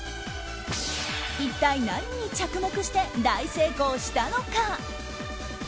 一体、何に着目して大成功したのか？